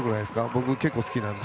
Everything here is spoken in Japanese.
僕、結構好きなんです。